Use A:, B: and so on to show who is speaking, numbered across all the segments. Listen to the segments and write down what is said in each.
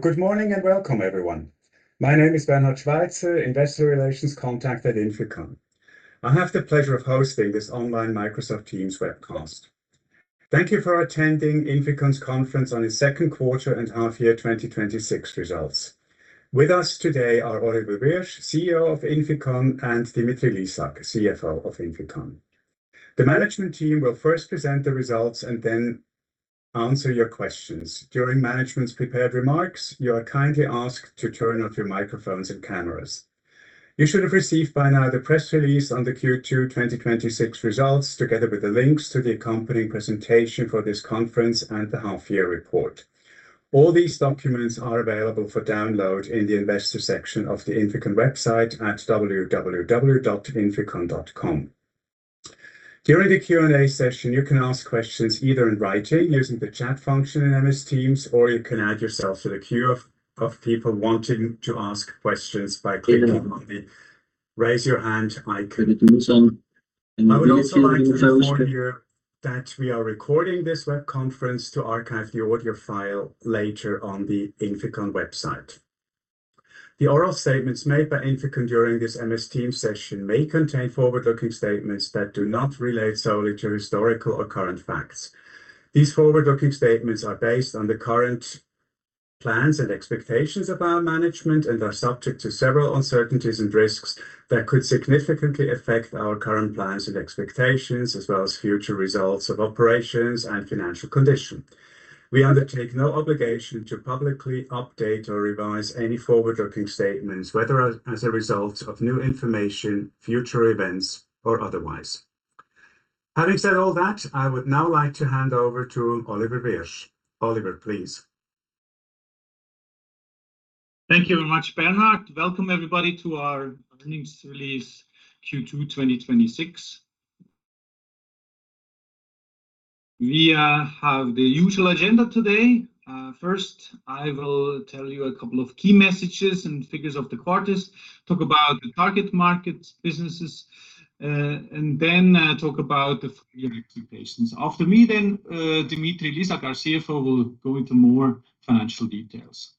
A: Good morning and welcome, everyone. My name is Bernhard Schweizer, investor relations contact at INFICON. I have the pleasure of hosting this online Microsoft Teams webcast. Thank you for attending INFICON's conference on the second quarter and half year 2026 results. With us today are Oliver Wyrsch, Chief Executive Officer of INFICON, and Dimitrij Lisak, Chief Financial Officer of INFICON. The management team will first present the results and then answer your questions. During management's prepared remarks, you are kindly asked to turn off your microphones and cameras. You should have received by now the press release on the Q2 2026 results, together with the links to the accompanying presentation for this conference and the half year report. All these documents are available for download in the investor section of the INFICON website at www.inficon.com. During the question-and-answer session, you can ask questions either in writing using the chat function in MS Teams, or you can add yourself to the queue of people wanting to ask questions by clicking on the Raise Your Hand icon. I would also like to inform you that we are recording this web conference to archive the audio file later on the INFICON website. The oral statements made by INFICON during this MS Teams session may contain forward-looking statements that do not relate solely to historical or current facts. These forward-looking statements are based on the current plans and expectations of our management and are subject to several uncertainties and risks that could significantly affect our current plans and expectations, as well as future results of operations and financial condition. We undertake no obligation to publicly update or revise any forward-looking statements, whether as a result of new information, future events, or otherwise. Having said all that, I would now like to hand over to Oliver Wyrsch. Oliver, please.
B: Thank you very much, Bernhard. Welcome everybody to our earnings release Q2 2026. We have the usual agenda today. First, I will tell you a couple of key messages and figures of the quarters, talk about the target markets, businesses, and then talk about the full year expectations. After me then, Dimitrij Lisak, our Chief Financial Officer, will go into more financial details.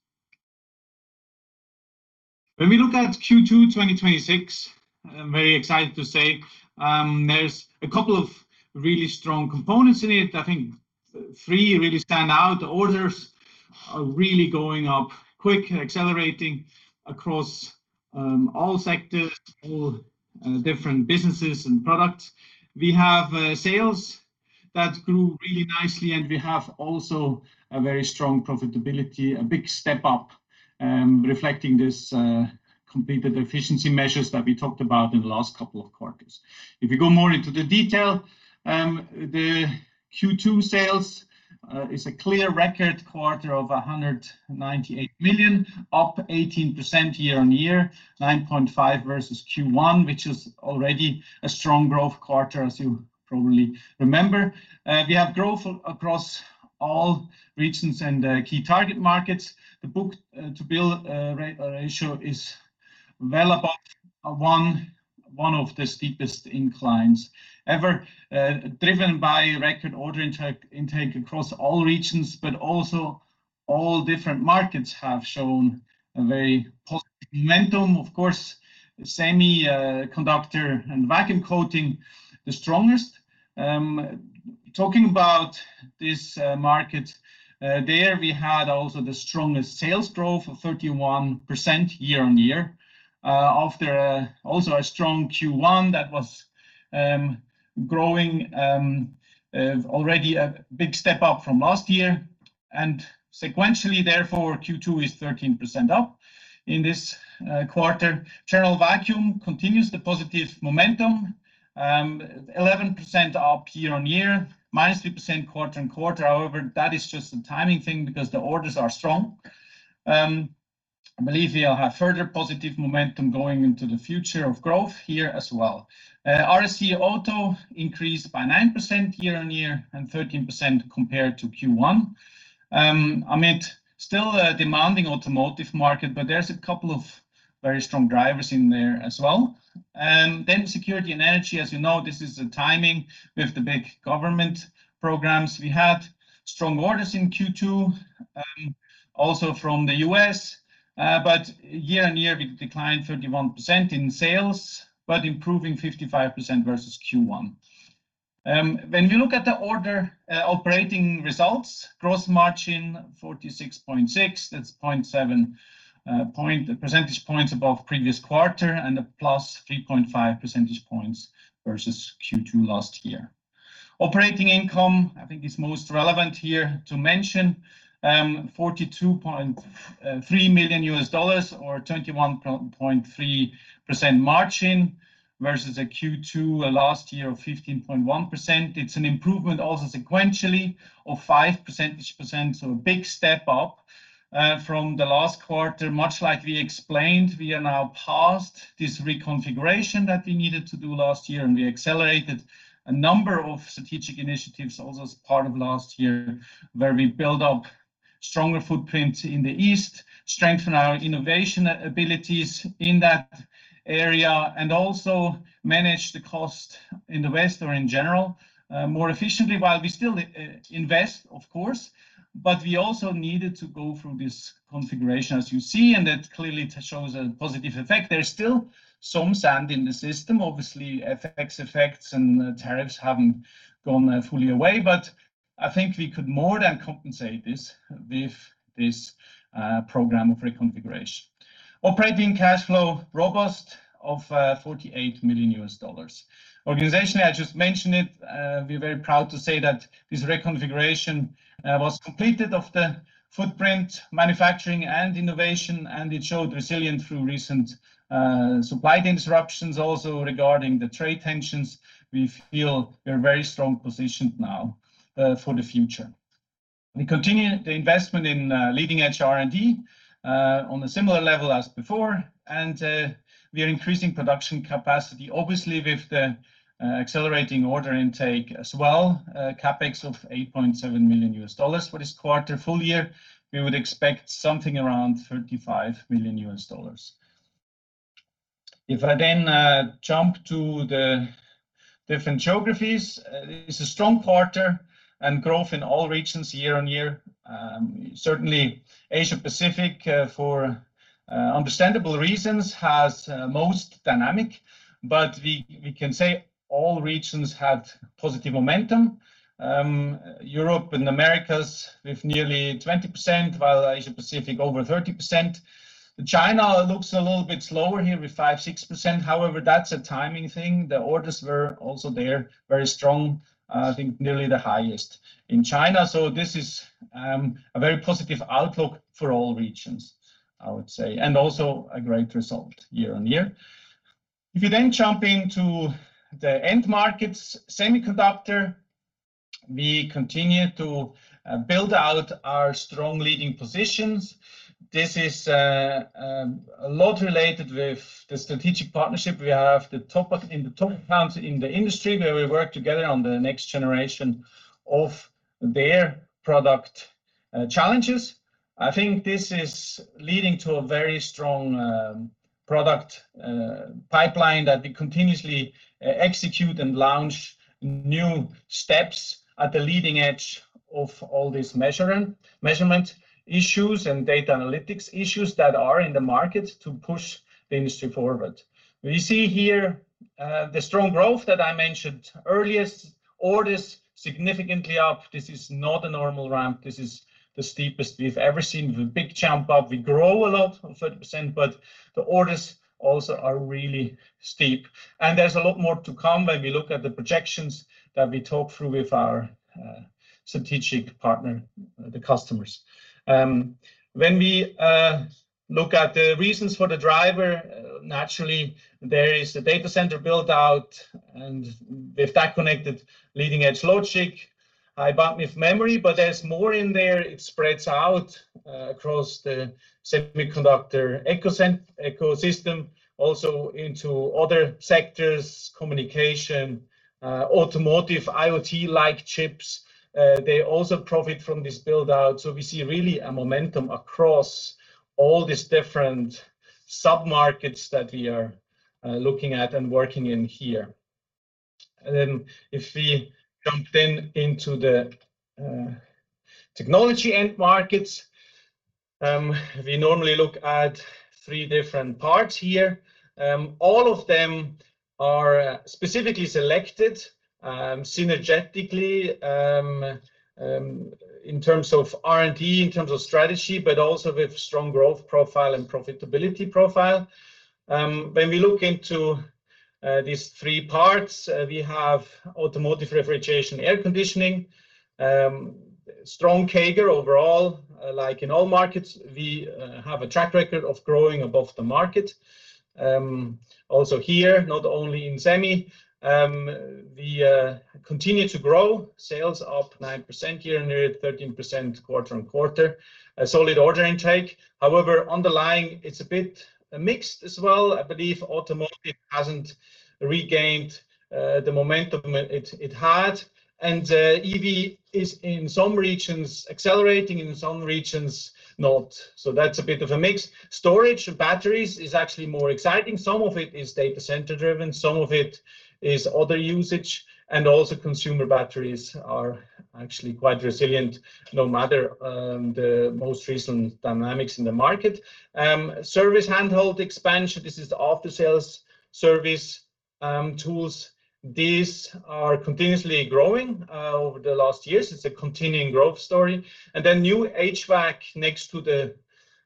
B: When we look at Q2 2026, I'm very excited to say there's a couple of really strong components in it. I think three really stand out. The orders are really going up quick and accelerating across all sectors, all different businesses and products. We have sales that grew really nicely, and we have also a very strong profitability, a big step up, reflecting this completed efficiency measures that we talked about in the last couple of quarters. If we go more into the detail, the Q2 sales is a clear record quarter of $198 million, up 18% year-on-year, 9.5% versus Q1, which is already a strong growth quarter, as you probably remember. We have growth across all regions and key target markets. The book-to-bill ratio is well above one of the steepest inclines ever, driven by record order intake across all regions. All different markets have shown a very positive momentum. Of course, semiconductor and vacuum coating the strongest. Talking about this market, there we had also the strongest sales growth of 31% year-on-year. A strong Q1 that was growing already a big step up from last year. Sequentially, therefore, Q2 is 13% up in this quarter. General vacuum continues the positive momentum, 11% up year-on-year, -3% quarter-on-quarter. That is just a timing thing because the orders are strong. I believe we'll have further positive momentum going into the future of growth here as well. RAC Auto increased by 9% year-on-year and 13% compared to Q1. Still a demanding automotive market. There's a couple of very strong drivers in there as well. Security and energy. As you know, this is the timing with the big government programs. We had strong orders in Q2, also from the U.S. Year-on-year, we declined 31% in sales. Improving 55% versus Q1. When we look at the order operating results, gross margin 46.6%. That's 0.7 percentage points above previous quarter and a +3.5 percentage points versus Q2 last year. Operating income, I think is most relevant here to mention, $42.3 million or 21.3% margin versus a Q2 last year of 15.1%. It's an improvement also sequentially of 5 percentage points, so a big step up from the last quarter. Much like we explained, we are now past this reconfiguration that we needed to do last year. We accelerated a number of strategic initiatives also as part of last year, where we build up stronger footprint in the East, strengthen our innovation abilities in that area. Also manage the cost in the West or in general, more efficiently while we still invest, of course. We also needed to go through this configuration, as you see. That clearly shows a positive effect. There's still some sand in the system. Obviously, FX effects and tariffs haven't gone fully away. I think we could more than compensate this with this program of reconfiguration. Operating cash flow robust of $48 million. Organizationally, I just mentioned it, we're very proud to say that this reconfiguration was completed of the footprint manufacturing and innovation. It showed resilient through recent supply disruptions also regarding the trade tensions. We feel we're very strong positioned now for the future. We continue the investment in leading-edge R&D on a similar level as before. We are increasing production capacity, obviously, with the accelerating order intake as well. CapEx of $8.7 million for this quarter. Full year, we would expect something around $35 million. I then jump to the different geographies. It is a strong quarter and growth in all regions year-on-year. Certainly, Asia-Pacific, for understandable reasons, has most dynamic, but we can say all regions had positive momentum. Europe and the Americas with nearly 20%, while Asia-Pacific over 30%. China looks a little bit slower here with 5%, 6%. That's a timing thing. The orders were also there, very strong, I think nearly the highest in China. This is a very positive outlook for all regions, I would say, and also a great result year-over-year. If you jump into the end markets, semiconductor, we continue to build out our strong leading positions. This is a lot related with the strategic partnership we have in the top plants in the industry, where we work together on the next generation of their product challenges. I think this is leading to a very strong product pipeline that we continuously execute and launch new steps at the leading edge of all these measurement issues and data analytics issues that are in the market to push the industry forward. We see here the strong growth that I mentioned earliest, orders significantly up. This is not a normal ramp. This is the steepest we've ever seen, with a big jump up. We grow a lot, 30%, the orders also are really steep, and there's a lot more to come when we look at the projections that we talk through with our strategic partner, the customers. When we look at the reasons for the driver, naturally, there is the data center build-out, and with that connected, leading-edge logic, high bandwidth memory, there's more in there. It spreads out across the semiconductor ecosystem, also into other sectors, communication, automotive, IoT-like chips. They also profit from this build-out. We see really a momentum across all these different sub-markets that we are looking at and working in here. If we jump into the technology end markets, we normally look at three different parts here. All of them are specifically selected synergetically, in terms of R&D, in terms of strategy, but also with strong growth profile and profitability profile. When we look into these three parts, we have automotive refrigeration, air conditioning, strong CAGR overall. Like in all markets, we have a track record of growing above the market. Also here, not only in semi, we continue to grow. Sales up 9% year-over-year, 13% quarter-over-quarter. A solid order intake. Underlying, it's a bit mixed as well. I believe automotive hasn't regained the momentum it had, EV is, in some regions, accelerating, in some regions, not. That's a bit of a mix. Storage batteries is actually more exciting. Some of it is data center-driven, some of it is other usage, and also consumer batteries are actually quite resilient, no matter the most recent dynamics in the market. Service handheld expansion, this is the after-sales service tools. These are continuously growing over the last years. It's a continuing growth story. New HVAC, next to the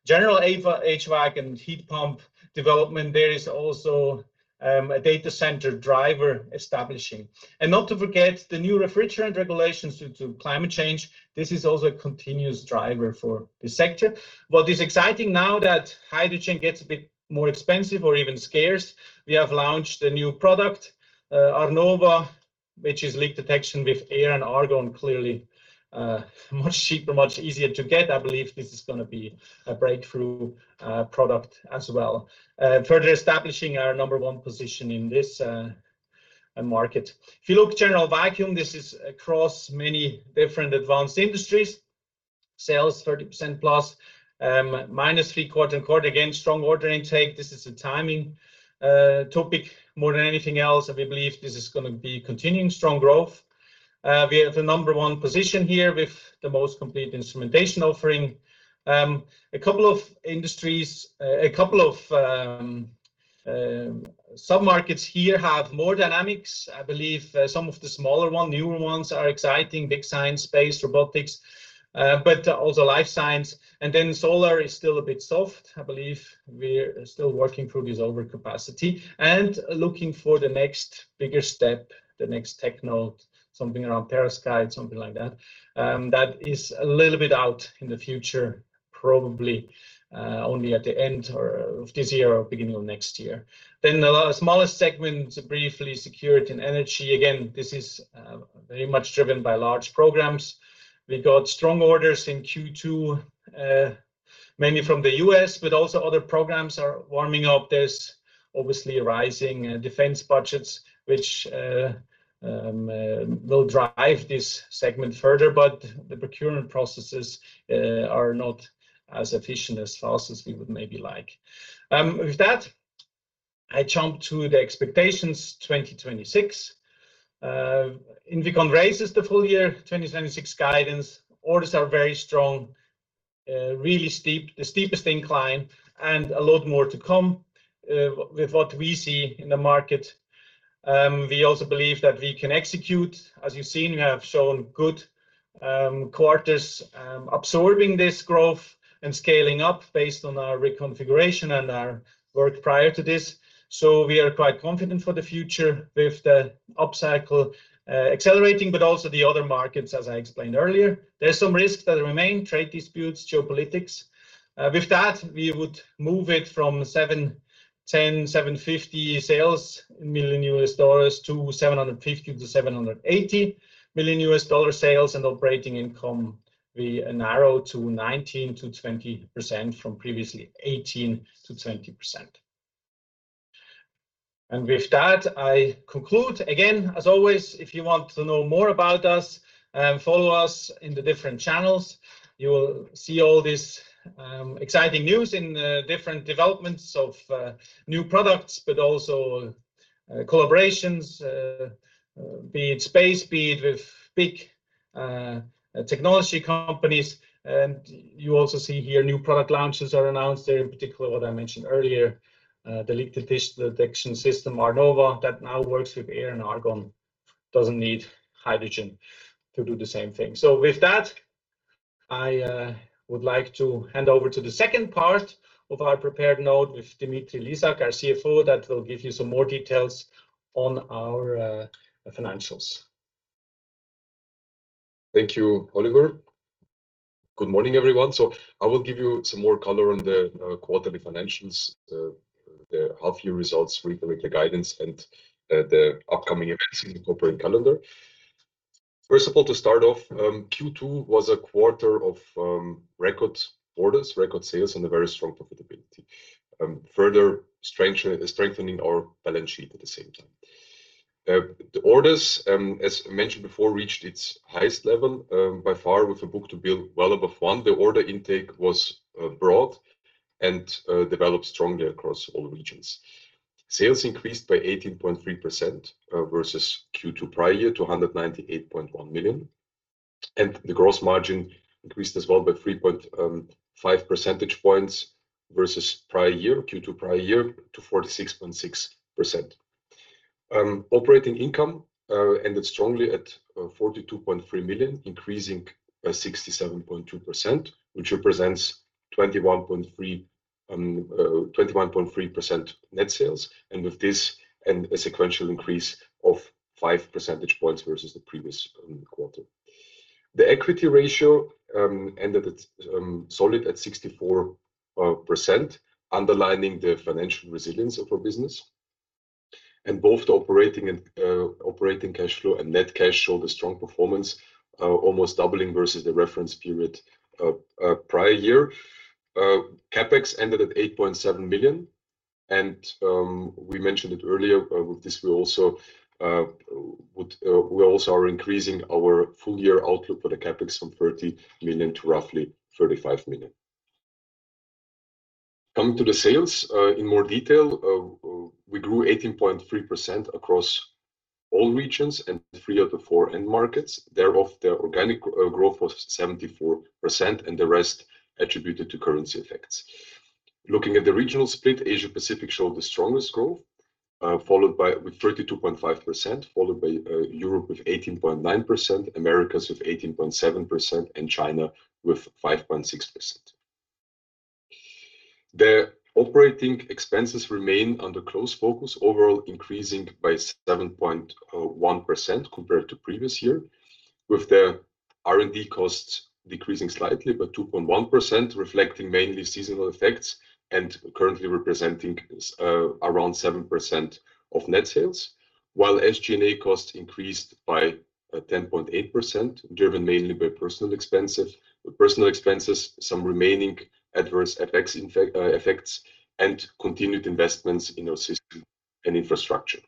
B: general HVAC and heat pump development, there is also a data center driver establishing. Not to forget, the new refrigerant regulations due to climate change, this is also a continuous driver for this sector. What is exciting now that hydrogen gets a bit more expensive or even scarce, we have launched a new product, Arnova, which is leak detection with air and argon. Clearly, much cheaper, much easier to get. I believe this is going to be a breakthrough product as well. Further establishing our number one position in this market. If you look general vacuum, this is across many different advanced industries. Sales 30%+, -3% quarter-on-quarter. Again, strong order intake. This is a timing topic more than anything else, and we believe this is going to be continuing strong growth. We have the number one position here with the most complete instrumentation offering. A couple of sub-markets here have more dynamics. I believe some of the smaller ones, newer ones, are exciting. Big science, space, robotics, but also life science. Solar is still a bit soft, I believe. We're still working through this overcapacity and looking for the next bigger step, the next tech node, something around perovskite, something like that is a little bit out in the future. Probably only at the end of this year or beginning of next year. The smallest segment, briefly, security and energy. Again, this is very much driven by large programs. We got strong orders in Q2, mainly from the U.S., but also other programs are warming up. There's obviously rising defense budgets, which will drive this segment further, but the procurement processes are not as efficient, as fast as we would maybe like. With that, I jump to the expectations 2026. INFICON raises the full year 2026 guidance. Orders are very strong, really steep, the steepest incline. A lot more to come with what we see in the market. We also believe that we can execute. As you've seen, we have shown good quarters absorbing this growth and scaling up based on our reconfiguration and our work prior to this. We are quite confident for the future with the up cycle accelerating, but also the other markets, as I explained earlier. There are some risks that remain: trade disputes, geopolitics. With that, we would move it from $710 million-$750 million sales to $750 million-$780 million sales and operating income. We narrow to 19%-20% from previously 18%-20%. With that, I conclude. Again, as always, if you want to know more about us, follow us in the different channels. You will see all this exciting news in different developments of new products, but also collaborations, be it space, be it with big technology companies. You also see here new product launches are announced. In particular, what I mentioned earlier, the leak detection system, Arnova, that now works with air and argon, doesn't need hydrogen to do the same thing. With that, I would like to hand over to the second part of our prepared note with Dimitrij Lisak, our Chief Financial Officer, that will give you some more details on our financials.
C: Thank you, Oliver. Good morning, everyone. I will give you some more color on the quarterly financials, the half year results with the guidance, and the upcoming events in the corporate calendar. First of all, to start off, Q2 was a quarter of record orders, record sales, and a very strong profitability. Further strengthening our balance sheet at the same time. The orders, as mentioned before, reached its highest level by far, with a book-to-bill well above 1. The order intake was broad and developed strongly across all regions. Sales increased by 18.3% versus Q2 prior year to $198.1 million, and the gross margin increased as well by 3.5 percentage points versus Q2 prior year to 46.6%. Operating Income ended strongly at $42.3 million, increasing by 67.2%, which represents 21.3% net sales, and with this, a sequential increase of 5 percentage points versus the previous quarter. The equity ratio ended solid at 64%, underlining the financial resilience of our business. Both the operating cash flow and net cash showed a strong performance, almost doubling versus the reference period prior year. CapEx ended at $8.7 million, and we mentioned it earlier, with this we also are increasing our full year outlook for the CapEx from $30 million to roughly $35 million. Coming to the sales in more detail, we grew 18.3% across all regions and three of the four end markets. Therefore, the organic growth was 74% and the rest attributed to currency effects. Looking at the regional split, Asia-Pacific showed the strongest growth, with 32.5%, followed by Europe with 18.9%, Americas with 18.7%, and China with 5.6%. The Operating Expenses remain under close focus, overall increasing by 7.1% compared to previous year, with the R&D costs decreasing slightly by 2.1%, reflecting mainly seasonal effects and currently representing around 7% of net sales. While SG&A costs increased by 10.8%, driven mainly by personal expenses, some remaining adverse effects, and continued investments in our system and infrastructure.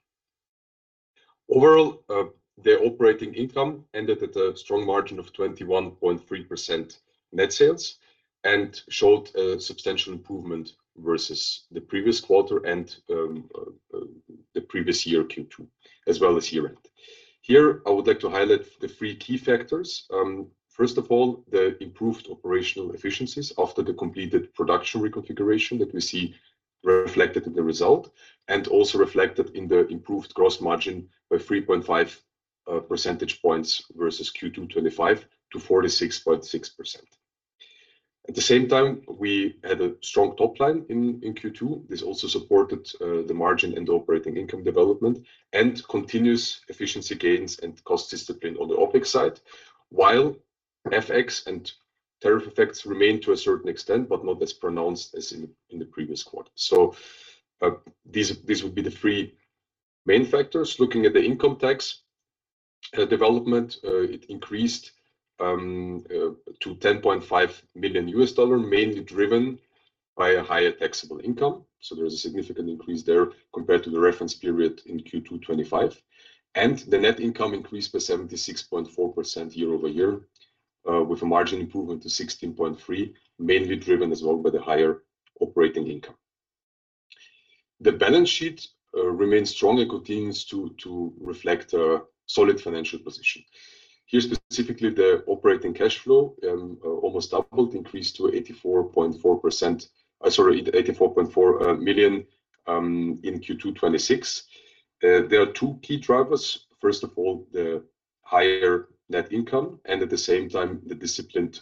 C: Overall, the Operating Income ended at a strong margin of 21.3% net sales and showed a substantial improvement versus the previous quarter and the previous year Q2, as well as year end. Here, I would like to highlight the three key factors. First of all, the improved operational efficiencies after the completed production reconfiguration that we see reflected in the result and also reflected in the improved gross margin by 3.5 percentage points versus Q2 2025 to 46.6%. At the same time, we had a strong top line in Q2. This also supported the margin and Operating Income development and continuous efficiency gains and cost discipline on the OpEx side. While FX and tariff effects remain to a certain extent, but not as pronounced as in the previous quarter. These would be the three main factors. Looking at the income tax development, it increased to $10.5 million, mainly driven by a higher taxable income. There is a significant increase there compared to the reference period in Q2 2025, and the net income increased by 76.4% year-over-year, with a margin improvement to 16.3%, mainly driven as well by the higher Operating Income. The balance sheet remains strong and continues to reflect a solid financial position. Here, specifically, the operating cash flow almost doubled, increased to $84.4 million in Q2 2026. There are two key drivers. First of all, the higher net income and at the same time, the disciplined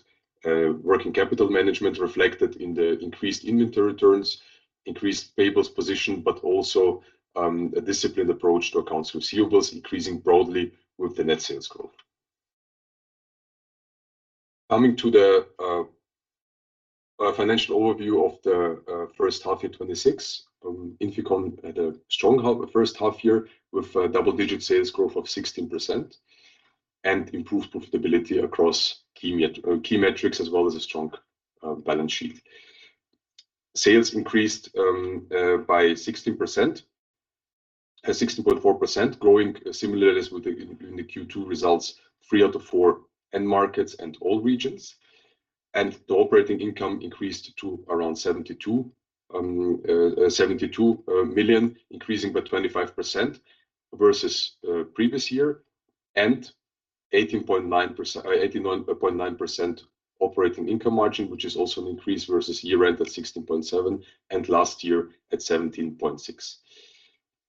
C: working capital management reflected in the increased inventory returns, increased payables position, but also a disciplined approach to accounts receivables, increasing broadly with the net sales growth. Coming to the financial overview of the first half year 2026, INFICON had a strong first half year with double-digit sales growth of 16% and improved profitability across key metrics as well as a strong balance sheet. Sales increased by 16.4%, growing similarly as in the Q2 results, three out of four end markets and all regions. The operating income increased to around 72 million, increasing by 25% versus previous year and 18.9% operating income margin, which is also an increase versus year end at 16.7% and last year at 17.6%.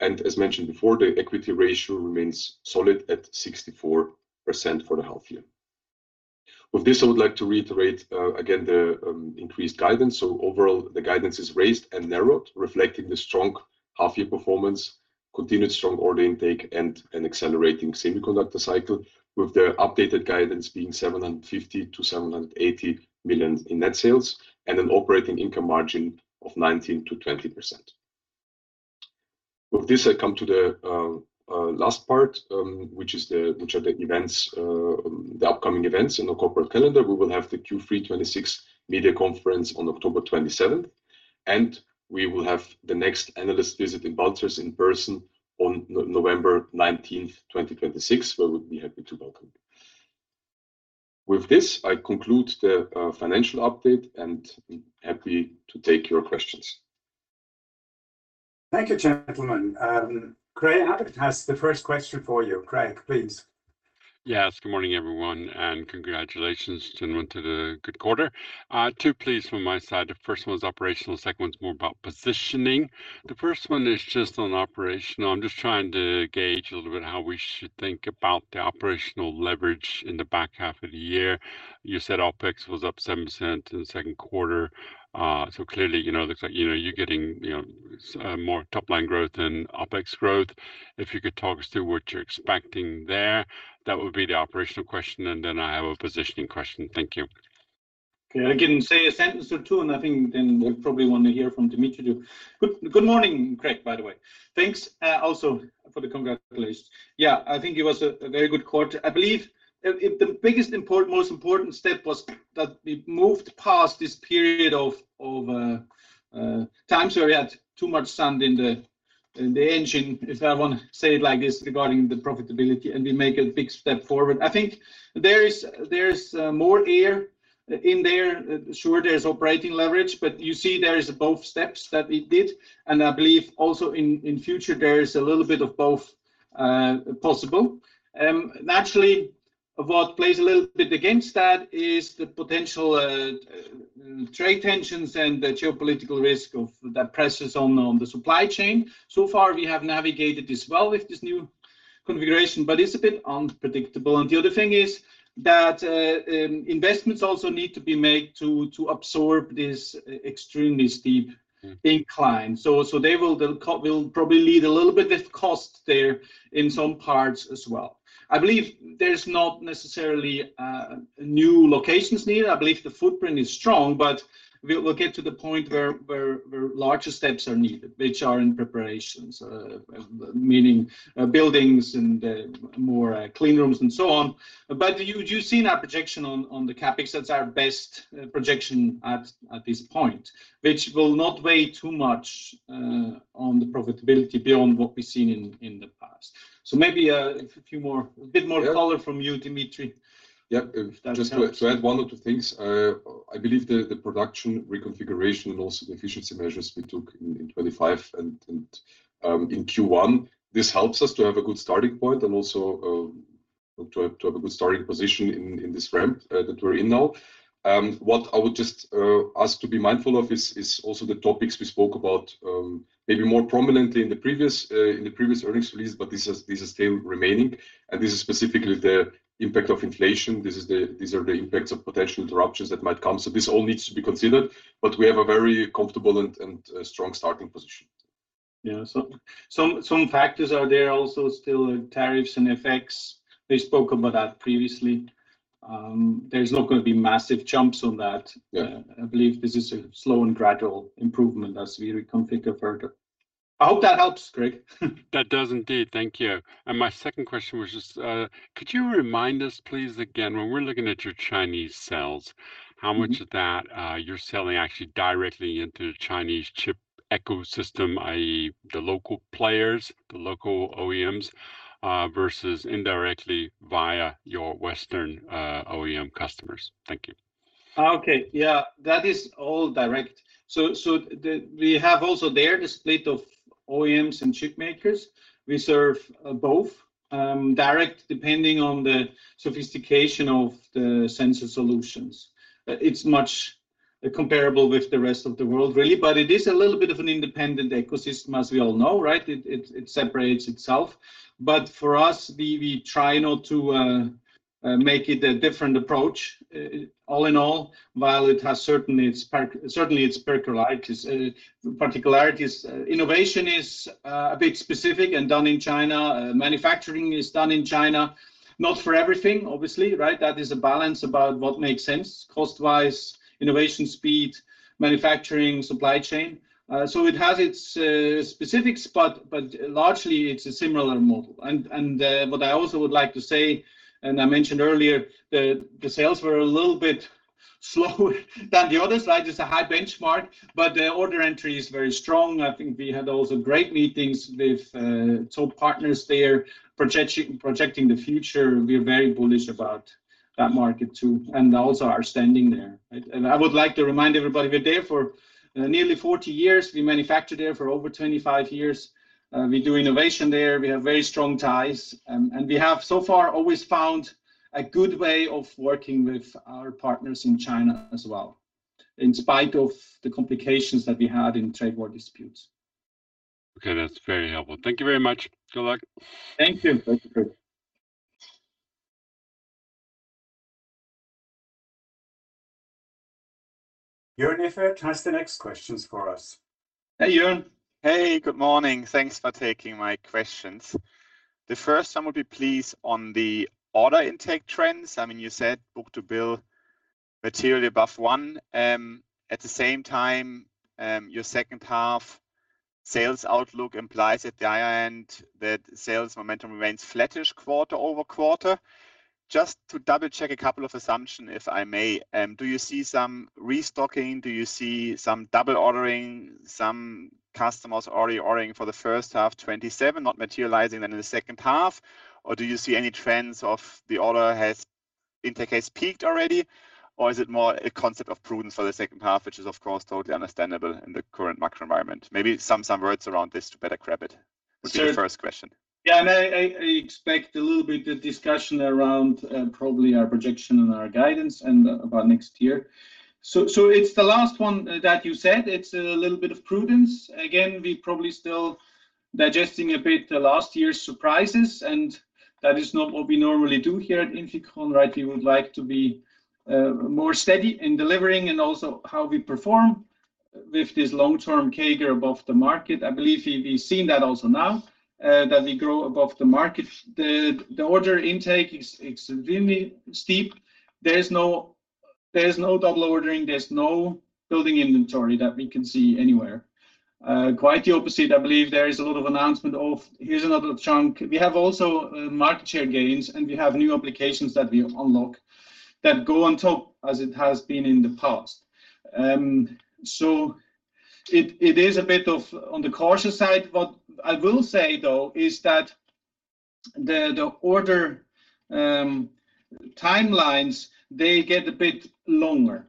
C: As mentioned before, the equity ratio remains solid at 64% for the half year. With this, I would like to reiterate again the increased guidance. Overall, the guidance is raised and narrowed, reflecting the strong half year performance, continued strong order intake, and an accelerating semiconductor cycle with the updated guidance being 750 million-780 million in net sales and an operating income margin of 19%-20%. With this, I come to the last part, which are the upcoming events in the corporate calendar. We will have the Q3 2026 media conference on October 27th, and we will have the next analyst visit in Balzers in person on November 19th, 2026 where we would be happy to welcome you. With this, I conclude the financial update and happy to take your questions.
A: Thank you, gentlemen. Craig, I have to ask the first question for you. Craig, please.
D: Yes. Good morning, everyone. Congratulations, gentlemen, to the good quarter. Two please from my side. The first one is operational, second one's more about positioning. The first one is just on operational. I'm just trying to gauge a little bit how we should think about the operational leverage in the back half of the year. You said OpEx was up 7% in the second quarter. Clearly, looks like you're getting more top-line growth than OpEx growth. If you could talk us through what you're expecting there, that would be the operational question, and then I have a positioning question. Thank you.
B: Okay. I can say a sentence or two, and I think then they'll probably want to hear from Dimitrij too. Good morning, Craig, by the way. Thanks also for the congratulations. Yeah, I think it was a very good quarter. I believe the biggest, most important step was that we moved past this period of time where we had too much sand in the engine, if I want to say it like this, regarding the profitability, and we make a big step forward. I think there is more air in there. Sure, there's operating leverage, but you see there is both steps that we did. I believe also in future, there is a little bit of both possible. Naturally, what plays a little bit against that is the potential trade tensions and the geopolitical risk that presses on the supply chain. So far, we have navigated this well with this new configuration, but it's a bit unpredictable. The other thing is that investments also need to be made to absorb this extremely steep incline. They will probably lead a little bit with cost there in some parts as well. I believe there's not necessarily new locations needed. I believe the footprint is strong, but we'll get to the point where larger steps are needed, which are in preparations. Meaning buildings and more clean rooms and so on. You've seen our projection on the CapEx. That's our best projection at this point, which will not weigh too much on the profitability beyond what we've seen in the past. Maybe a bit more color from you, Dimitrij.
C: Yep. Just to add one or two things. I believe the production reconfiguration and also the efficiency measures we took in 2025 and in Q1, this helps us to have a good starting point and also to have a good starting position in this ramp that we're in now. What I would just ask to be mindful of is also the topics we spoke about, maybe more prominently in the previous earnings release, but this is still remaining, and this is specifically the impact of inflation. These are the impacts of potential interruptions that might come. This all needs to be considered, but we have a very comfortable and strong starting position.
B: Yeah. Some factors are there also still tariffs and effects. We spoke about that previously. There's not going to be massive jumps on that.
C: Yeah.
B: I believe this is a slow and gradual improvement as we reconfigure further. I hope that helps, Craig.
D: That does indeed. Thank you. My second question was just, could you remind us please again, when we're looking at your Chinese sales how much of that you're selling actually directly into Chinese chip ecosystem, i.e. the local players, the local OEMs, versus indirectly via your Western OEM customers? Thank you.
B: Okay. Yeah. That is all direct. We have also there the split of OEMs and chip makers. We serve both, direct depending on the sophistication of the sensor solutions. It's much comparable with the rest of the world, really, but it is a little bit of an independent ecosystem, as we all know, right? It separates itself. For us, we try not to make it a different approach, all in all, while it has certainly its particularities. Innovation is a bit specific and done in China. Manufacturing is done in China. Not for everything, obviously, right? That is a balance about what makes sense cost-wise, innovation speed, manufacturing, supply chain. It has its specifics, but largely it's a similar model. What I also would like to say, I mentioned earlier, the sales were a little bit slower than the other side. It's a high benchmark, the order entry is very strong. I think we had also great meetings with top partners there, projecting the future. We're very bullish about that market too, and also our standing there. Right? I would like to remind everybody, we're there for nearly 40 years. We manufacture there for over 25 years. We do innovation there. We have very strong ties. We have so far always found a good way of working with our partners in China as well, in spite of the complications that we had in trade war disputes.
D: Okay. That's very helpful. Thank you very much. Good luck.
B: Thank you.
C: Thank you, Craig.
A: Joern Iffert has the next questions for us. Hey, Joern.
E: Hey, good morning. Thanks for taking my questions. The first one would be, please, on the order intake trends. You said book-to-bill materially above one. At the same time, your second-half sales outlook implies at the high end that sales momentum remains flattish quarter-over-quarter. Just to double-check a couple of assumptions, if I may. Do you see some restocking? Do you see some double ordering, some customers already ordering for the first half 2027, not materializing then in the second half? Do you see any trends of the order intake has peaked already? Is it more a concept of prudence for the second half, which is, of course, totally understandable in the current macro environment? Maybe some words around this to better grab it. Would be the first question.
B: Yeah. I expect a little bit of discussion around probably our projection and our guidance and about next year. It's the last one that you said, it's a little bit of prudence. Again, we're probably still digesting a bit the last year's surprises, and that is not what we normally do here at INFICON, right? We would like to be more steady in delivering and also how we perform with this long-term CAGR above the market. I believe we've seen that also now, that we grow above the market. The order intake is extremely steep. There's no double ordering. There's no building inventory that we can see anywhere. Quite the opposite. I believe there is a lot of announcement of, here's another chunk. We have also market share gains, and we have new applications that we unlock that go on top as it has been in the past. It is a bit on the cautious side. What I will say, though, is that the order timelines, they get a bit longer.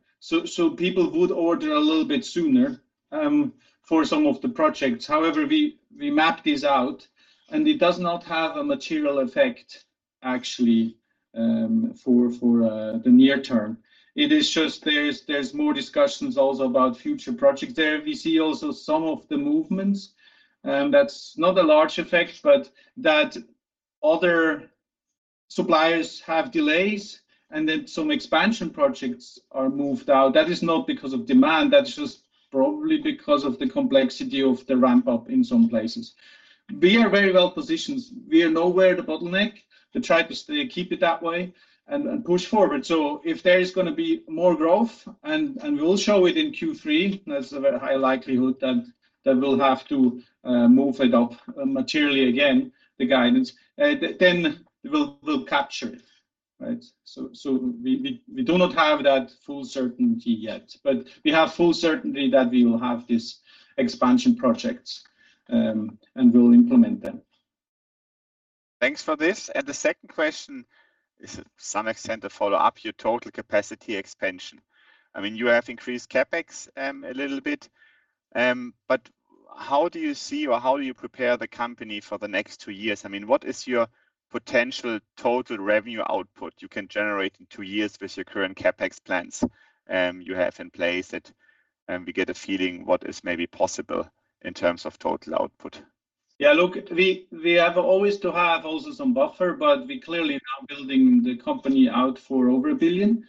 B: People would order a little bit sooner, for some of the projects. However, we map this out, and it does not have a material effect, actually, for the near term. There's more discussions also about future projects there. We see also some of the movements, that's not a large effect, but that other suppliers have delays and then some expansion projects are moved out. That is not because of demand. That's just probably because of the complexity of the ramp-up in some places. We are very well positioned. We are nowhere the bottleneck. We try to keep it that way and push forward. If there is going to be more growth, and we will show it in Q3, there's a very high likelihood that we'll have to move it up materially again, the guidance. We'll capture it. Right? We do not have that full certainty yet, but we have full certainty that we will have these expansion projects, and we'll implement them.
E: Thanks for this. The second question is to some extent a follow-up. Your total capacity expansion. You have increased CapEx a little bit. How do you see, or how do you prepare the company for the next two years? What is your potential total revenue output you can generate in two years with your current CapEx plans you have in place that we get a feeling what is maybe possible in terms of total output?
B: Yeah, look, we have always to have also some buffer, but we clearly are now building the company out for over $1 billion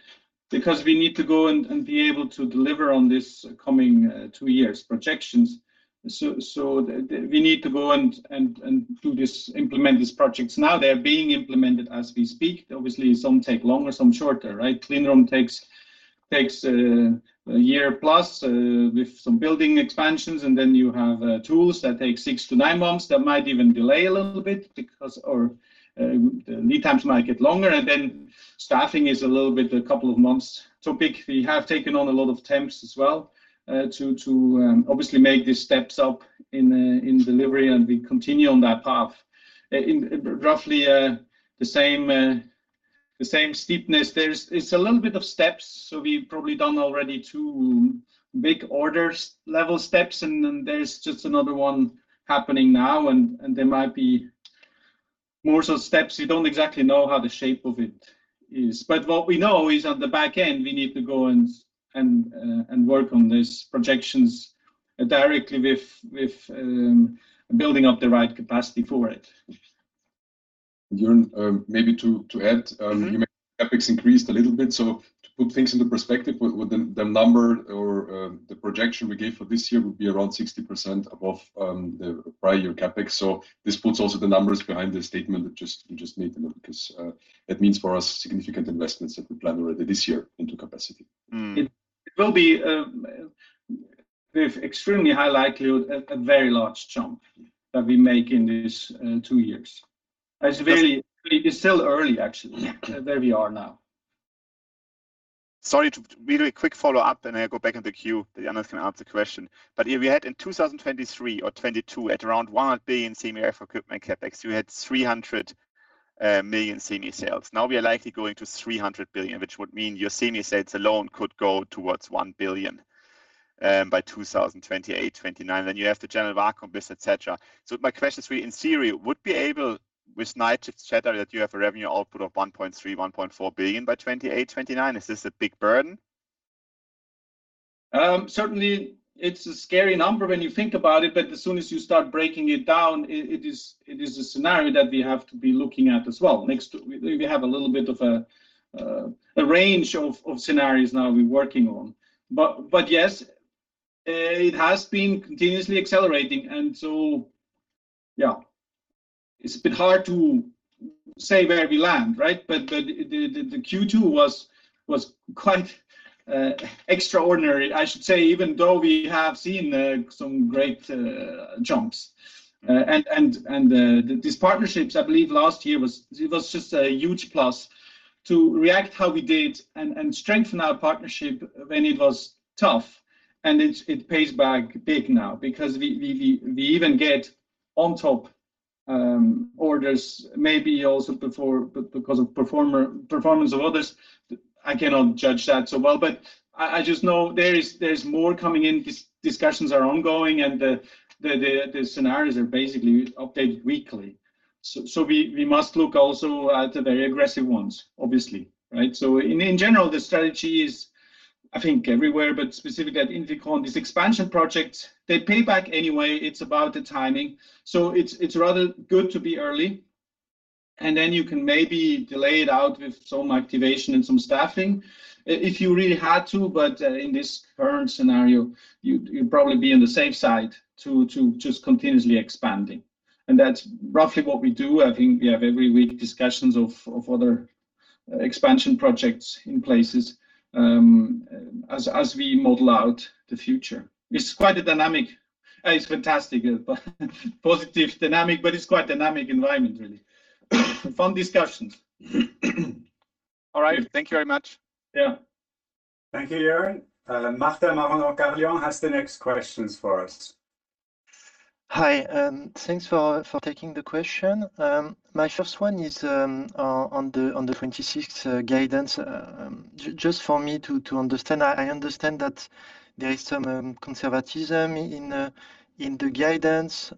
B: because we need to go and be able to deliver on this coming two years' projections. We need to go and implement these projects now. They're being implemented as we speak. Obviously, some take longer, some shorter. Clean room takes one year+ with some building expansions, and then you have tools that take six to nine months. That might even delay a little bit because lead times might get longer, and then staffing is a little bit, a couple of months topic. We have taken on a lot of temps as well to obviously make these steps up in delivery, and we continue on that path in roughly the same steepness. It's a little bit of steps. We've probably done already two big orders, level steps. Then there's just another one happening now. There might be more steps. We don't exactly know how the shape of it is. What we know is at the back end, we need to go and work on these projections directly with building up the right capacity for it.
C: Joern, maybe to add you mentioned CapEx increased a little bit. To put things into perspective, the number or the projection we gave for this year would be around 60% above the prior year CapEx. This puts also the numbers behind the statement that you just made because that means, for us, significant investments that we plan already this year into capacity.
B: It will be, with extremely high likelihood, a very large jump that we make in these two years. It's still early, actually, where we are now.
E: Sorry to really quick follow-up. I go back in the queue. Someone else can ask the question. If we had in 2023 or 2022 at around 1 billion semi equipment CapEx, we had 300 million semi sales. Now we are likely going to 300 billion, which would mean your semi sales alone could go towards 1 billion by 2028, 2029. You have the general vacuum biz, et cetera. My question is for you, in theory, would be able with Night Shift, et cetera, that you have a revenue output of 1.3 billion-1.4 billion by 2028, 2029. Is this a big burden?
B: Certainly, it's a scary number when you think about it. As soon as you start breaking it down, it is a scenario that we have to be looking at as well. We have a little bit of a range of scenarios now we're working on. It has been continuously accelerating. It's a bit hard to say where we land, right? The Q2 was quite extraordinary, I should say, even though we have seen some great jumps. These partnerships, I believe, last year it was just a huge plus to react how we did and strengthen our partnership when it was tough. It pays back big now because we even get on top orders maybe also because of performance of others. I cannot judge that so well. I just know there's more coming in. Discussions are ongoing. The scenarios are basically updated weekly. We must look also at the very aggressive ones, obviously. In general, the strategy is, I think, everywhere. Specifically at INFICON, these expansion projects, they pay back anyway. It's about the timing. It's rather good to be early. You can maybe delay it out with some activation and some staffing if you really had to. In this current scenario, you'd probably be on the safe side to just continuously expanding. That's roughly what we do. I think we have every week discussions of other expansion projects in places as we model out the future. It's quite a dynamic. It's fantastic. Positive dynamic. It's quite dynamic environment, really. Fun discussions.
E: All right. Thank you very much.
B: Yeah.
A: Thank you, Joern. Martin Marandon-Carlhian has the next questions for us.
F: Hi. Thanks for taking the question. My first one is on the 2026 guidance. Just for me to understand, I understand that there is some conservatism in the guidance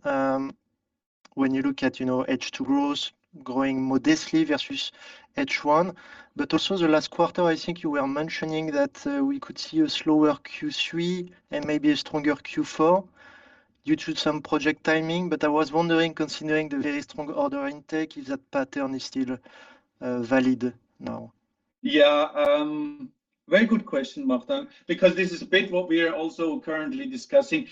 F: when you look at H2 growth growing modestly versus H1. Also the last quarter, I think you were mentioning that we could see a slower Q3 and maybe a stronger Q4 due to some project timing. I was wondering, considering the very strong order intake, is that pattern is still valid now?
B: Yeah. Very good question, Martin, because this is a bit what we are also currently discussing.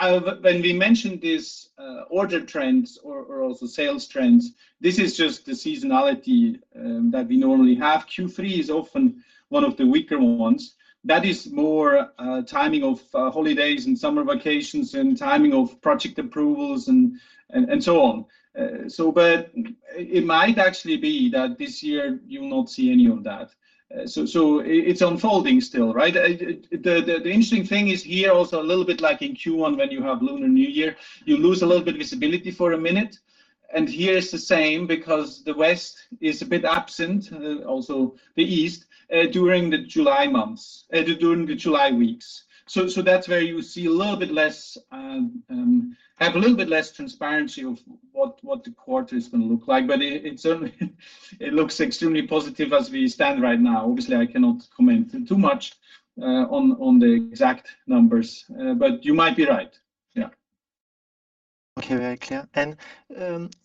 B: When we mention these order trends or also sales trends, this is just the seasonality that we normally have. Q3 is often one of the weaker ones. That is more timing of holidays and summer vacations and timing of project approvals and so on. It might actually be that this year you will not see any of that. It's unfolding still. The interesting thing is here also a little bit like in Q1 when you have Lunar New Year, you lose a little bit of visibility for a minute. Here it's the same because the West is a bit absent, also the East, during the July weeks. That's where you see a little bit less, have a little bit less transparency of what the quarter is going to look like. It certainly looks extremely positive as we stand right now. Obviously, I cannot comment too much on the exact numbers. You might be right. Yeah.
F: Okay, very clear. In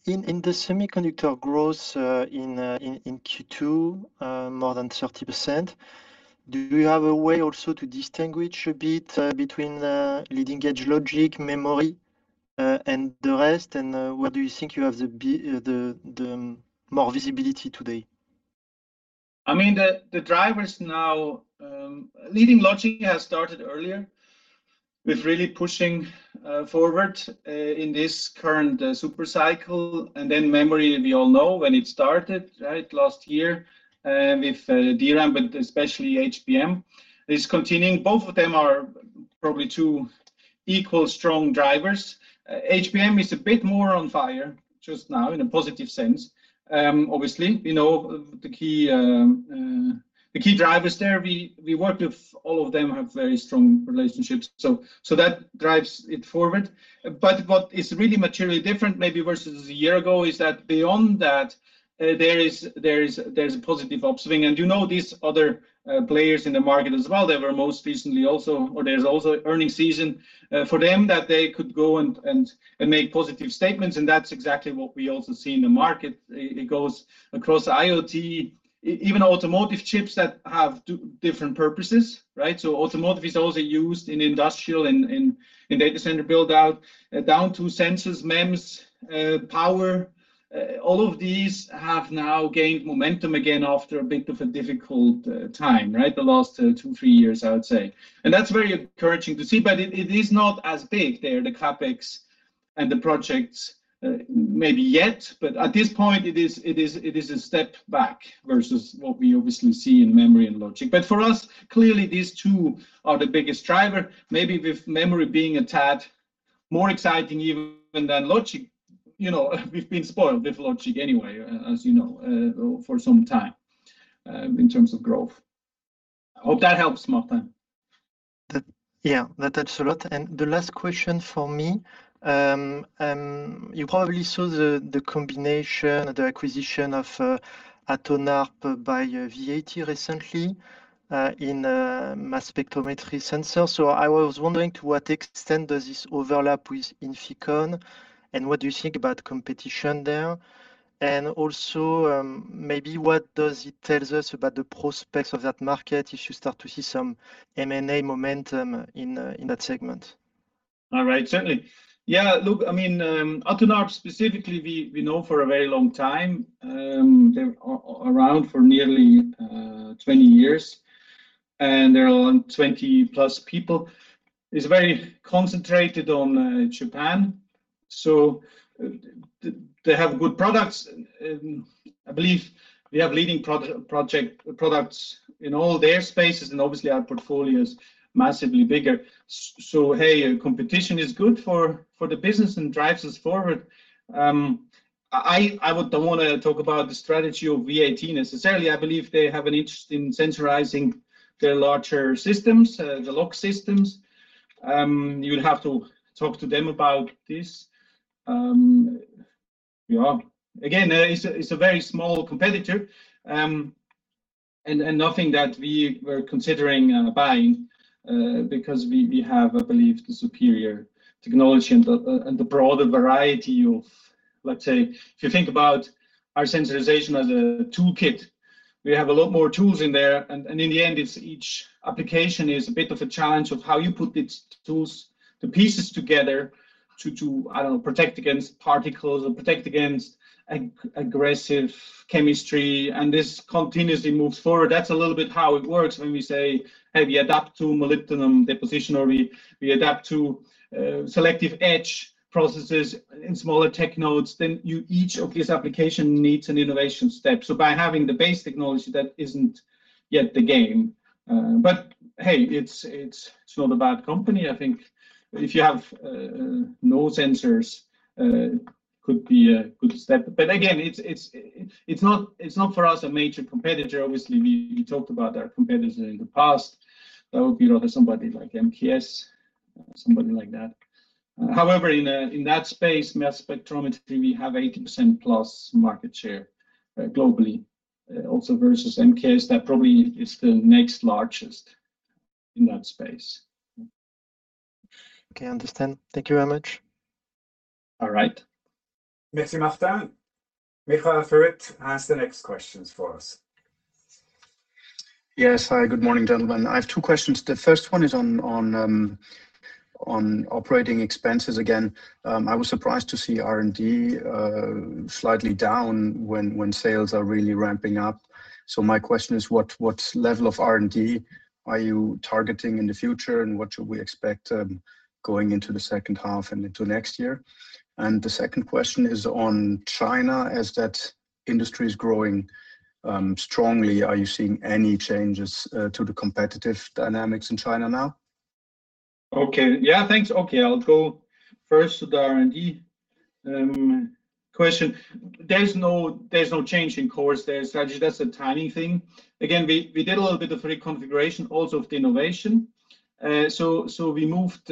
F: the semiconductor growth in Q2, more than 30%, do you have a way also to distinguish a bit between leading-edge logic, memory, and the rest? Where do you think you have more visibility today?
B: Leading logic has started earlier with really pushing forward in this current super cycle. Then memory, we all know when it started, right? Last year with DRAM, but especially HBM, is continuing. Both of them are probably two equal strong drivers. HBM is a bit more on fire just now in a positive sense. Obviously, the key drivers there, we work with all of them, have very strong relationships. That drives it forward. What is really materially different maybe versus a year ago is that beyond that, there is a positive upswing. You know these other players in the market as well, there's also earnings season for them that they could go and make positive statements, and that's exactly what we also see in the market. It goes across IoT, even automotive chips that have different purposes, right? Automotive is also used in industrial and in data center build-out, down to sensors, MEMS, power. All of these have now gained momentum again after a bit of a difficult time, right? The last two, three years, I would say. That's very encouraging to see, but it is not as big there, the CapEx and the projects, maybe yet, but at this point it is a step back versus what we obviously see in memory and logic. For us, clearly, these two are the biggest driver, maybe with memory being a tad more exciting even than logic. We've been spoiled with logic anyway, as you know, for some time in terms of growth. I hope that helps, Martin.
F: Yeah, that helps a lot. The last question from me, you probably saw the combination, the acquisition of Atonarp by VAT recently in mass spectrometry sensor. I was wondering to what extent does this overlap with INFICON, what do you think about competition there? Also, maybe what does it tell us about the prospects of that market if you start to see some M&A momentum in that segment?
B: All right. Certainly. Look, Atonarp specifically, we know for a very long time. They're around for nearly 20 years, and they're around 20+ people. It's very concentrated on Japan. They have good products. I believe they have leading products in all their spaces, and obviously our portfolio's massively bigger. Hey, competition is good for the business and drives us forward. I don't want to talk about the strategy of VAT necessarily. I believe they have an interest in sensorizing their larger systems, the lock systems. You'll have to talk to them about this. Again, it's a very small competitor, and nothing that we were considering buying, because we have, I believe, the superior technology and the broader variety of, let's say, if you think about our sensorization as a toolkit, we have a lot more tools in there. In the end, each application is a bit of a challenge of how you put the pieces together to, I don't know, protect against particles or protect against aggressive chemistry, and this continuously moves forward. That's a little bit how it works when we say, "Hey, we adapt to molybdenum deposition," or, "We adapt to selective etch processes in smaller tech nodes." Each of these application needs an innovation step. By having the base technology, that isn't yet the game. Hey, it's not a bad company. I think if you have no sensors, could be a good step. Again, it's not for us a major competitor. Obviously, we talked about our competitors in the past. That would be somebody like MKS, somebody like that. However, in that space, mass spectrometry, we have 80%+ market share globally. Versus MKS, that probably is the next largest in that space.
F: Okay, understand. Thank you very much.
B: All right.
A: Merci, Martin. Michael Furrer has the next questions for us.
G: Yes. Hi, good morning, gentlemen. I have two questions. The first one is on operating expenses. Again, I was surprised to see R&D slightly down when sales are really ramping up. My question is, what level of R&D are you targeting in the future, and what should we expect going into the second half and into next year? The second question is on China, as that industry is growing strongly, are you seeing any changes to the competitive dynamics in China now?
B: Thanks. I'll go first to the R&D question. There's no change in course there. That's a tiny thing. Again, we did a little bit of reconfiguration also of the innovation. We moved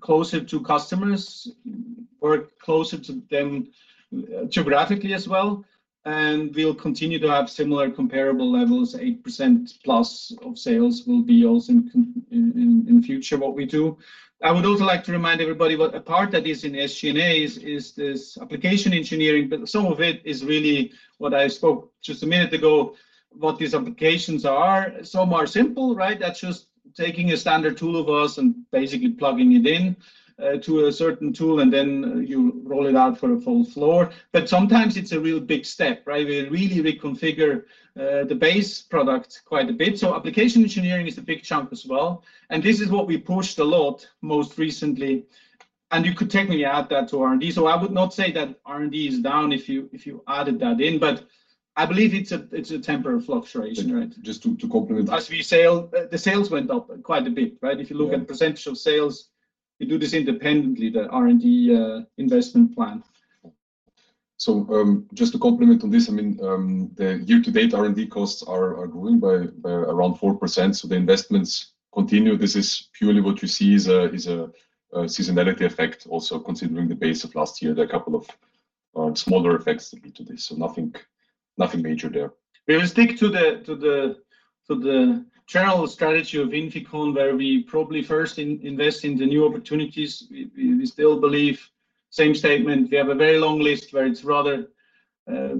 B: closer to customers. Work closer to them geographically as well, we'll continue to have similar comparable levels, 8%+ of sales will be also in future what we do. I would also like to remind everybody what a part that is in SG&A is this application engineering, some of it is really what I spoke just a minute ago, what these applications are. Some are simple. That's just taking a standard tool of ours and basically plugging it into a certain tool, you roll it out for a full floor. Sometimes it's a real big step. We really reconfigure the base product quite a bit. Application engineering is a big chunk as well, and this is what we pushed a lot most recently. You could technically add that to R&D. I would not say that R&D is down if you added that in, but I believe it's a temporary fluctuation, right?
C: Just to complement-
B: As we sell, the sales went up quite a bit, right? If you look at percentage of sales, we do this independently, the R&D, investment plan.
C: Just to complement on this, the year-to-date R&D costs are growing by around 4%, so the investments continue. This is purely what you see is a seasonality effect also considering the base of last year, there are a couple of smaller effects that lead to this. Nothing major there.
B: We will stick to the general strategy of INFICON, where we probably first invest in the new opportunities. We still believe, same statement, we have a very long list where it's rather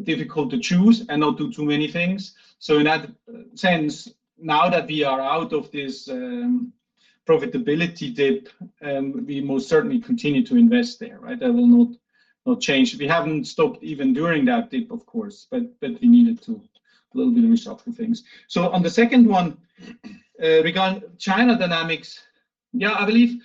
B: difficult to choose and not do too many things. In that sense, now that we are out of this profitability dip, we most certainly continue to invest there. That will not change. We haven't stopped even during that dip, of course, but we needed to do a little bit of reshuffling things. On the second one, regarding China dynamics, yeah, I believe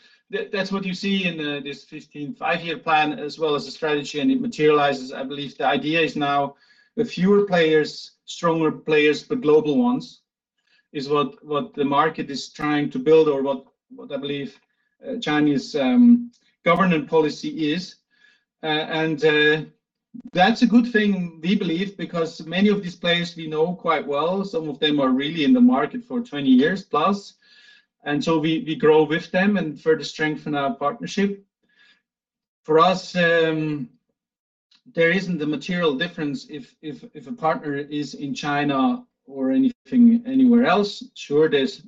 B: that's what you see in this 15-year, five-year plan as well as the strategy, and it materializes. I believe the idea is now the fewer players, stronger players, but global ones is what the market is trying to build or what I believe Chinese government policy is. That's a good thing, we believe, because many of these players we know quite well. Some of them are really in the market for 20 years+. We grow with them and further strengthen our partnership. For us, there isn't a material difference if a partner is in China or anything anywhere else. Sure, there's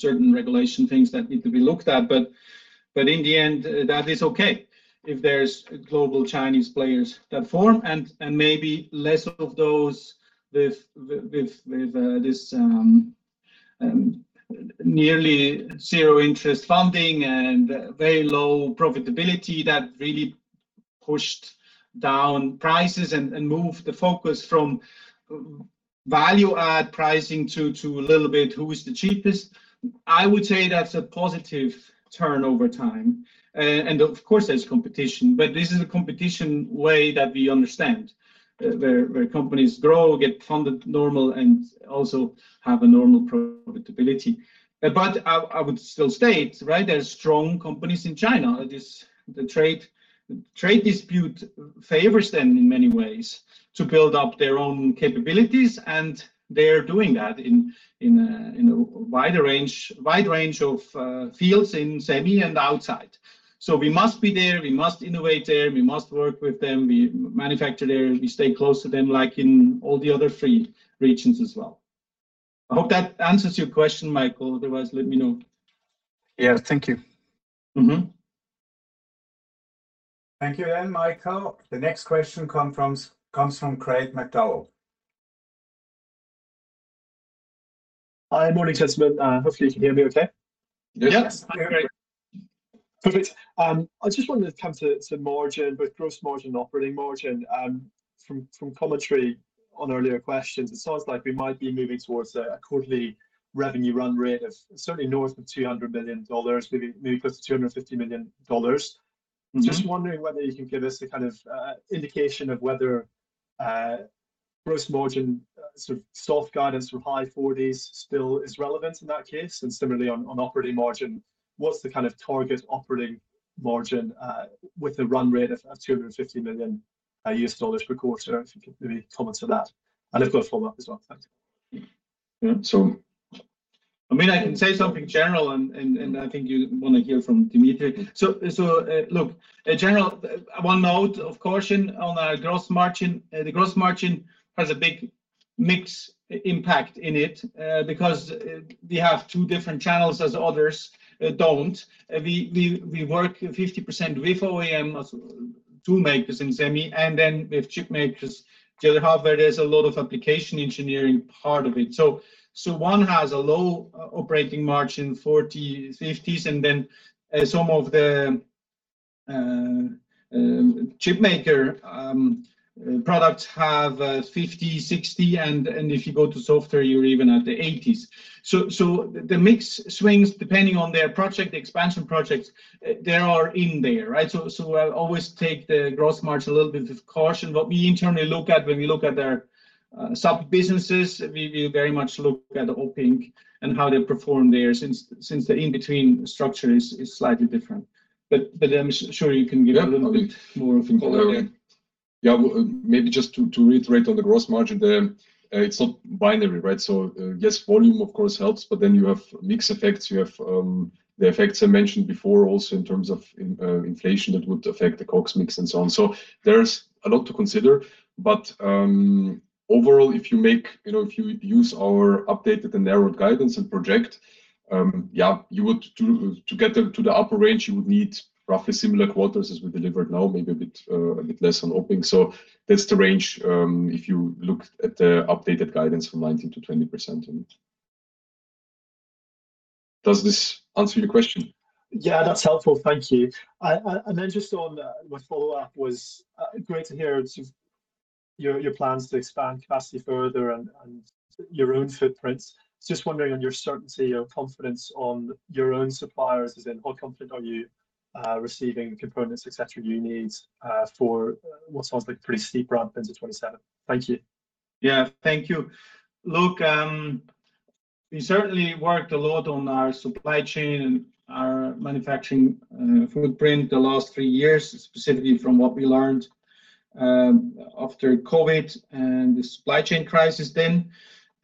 B: certain regulation things that need to be looked at, but in the end, that is okay if there's global Chinese players that form and maybe less of those with this nearly zero interest funding and very low profitability that really pushed down prices and moved the focus from value-add pricing to a little bit who is the cheapest? I would say that's a positive turn over time. Of course, there's competition, but this is a competition way that we understand, where companies grow, get funded normal, and also have a normal profitability. I would still state, there are strong companies in China. The trade dispute favors them in many ways to build up their own capabilities, and they are doing that in a wide range of fields in semi and outside. We must be there, we must innovate there, we must work with them, we manufacture there, we stay close to them like in all the other three regions as well. I hope that answers your question, Michael. Otherwise, let me know.
G: Yeah. Thank you.
A: Thank you, Michael. The next question comes from Craig McDowell.
H: Hi. Morning, gentlemen. Hopefully you can hear me okay.
A: Yes.
B: Yes.
H: Perfect. I just wanted to come to margin, both gross margin and operating margin. From commentary on earlier questions, it sounds like we might be moving towards a quarterly revenue run rate of certainly north of $200 million, maybe close to $250 million. Just wondering whether you can give us a kind of indication of whether gross margin, sort of soft guidance from high 40s still is relevant in that case, and similarly on operating margin, what's the kind of target operating margin, with a run rate of $250 million US per quarter? If you could maybe comment to that. I've got a follow-up as well. Thanks.
B: I mean, I can say something general, and I think you want to hear from Dimitrij. Look, general one note of caution on our gross margin. The gross margin has a big mix impact in it, because we have two different channels as others don't. We work 50% with OEM as tool makers in semi, and then with chip makers. The other half, there is a lot of application engineering part of it. One has a low operating margin, 40s%, 50s%, and then some of the chip maker products have 50%, 60%, and if you go to software, you're even at the 80s%. The mix swings depending on their project, the expansion projects that are in there. I'll always take the gross margin a little bit with caution, but we internally look at when we look at their sub-businesses, we very much look at the OpInc and how they perform there since the in-between structure is slightly different. I'm sure you can give a little bit more of an overview.
C: Maybe just to reiterate on the gross margin there, it's not binary, right? Yes, volume of course helps. You have mix effects. You have the effects I mentioned before also in terms of inflation, that would affect the COGS mix and so on. There's a lot to consider. Overall, if you use our updated and narrowed guidance and project, yeah, to get to the upper range, you would need roughly similar quarters as we delivered now, maybe a bit less on OpInc. That's the range, if you look at the updated guidance from 19%-20%. Does this answer your question?
H: That's helpful. Thank you. Just on my follow-up was, great to hear your plans to expand capacity further and your own footprints. I was just wondering on your certainty, your confidence on your own suppliers, as in how confident are you receiving the components, et cetera, you need for what sounds like a pretty steep ramp into 2027? Thank you.
B: Yeah. Thank you. Look, we certainly worked a lot on our supply chain and our manufacturing footprint the last three years, specifically from what we learned after COVID and the supply chain crisis then.